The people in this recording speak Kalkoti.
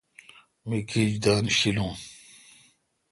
می کھیج دن شیلون۔